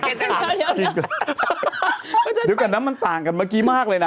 เดี๋ยวก่อนนะมันต่างกันเมื่อกี้มากเลยนะ